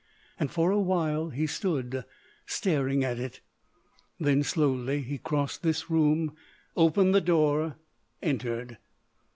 And for a while he stood staring at it. Then, slowly, he crossed this room, opened the door; entered.